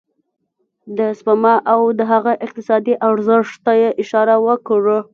د سپما او د هغه اقتصادي ارزښت ته يې اشاره وکړه.